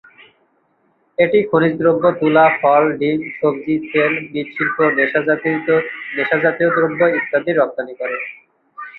এটি খনিজ দ্রব্য, তুলা, ফল, ডিম, সবজি তেল, মৃৎশিল্প, নেশাজাতীয় দ্রব্য ইত্যাদি রপ্তানি করে।